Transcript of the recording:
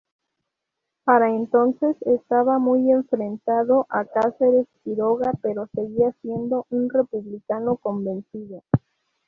Para entonces estaba muy enfrentado a Casares Quiroga, pero seguía siendo un republicano convencido.